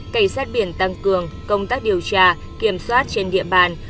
cảnh sát biển tăng cường công tác điều tra kiểm soát trên địa bàn